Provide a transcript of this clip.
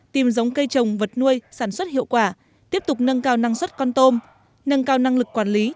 tìm giống cây trồng vật nuôi sản xuất hiệu quả tiếp tục nâng cao năng suất con tôm nâng cao năng lực quản lý